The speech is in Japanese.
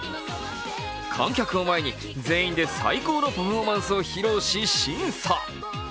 観客を前に全員で最高のパフォーマンスを披露し審査。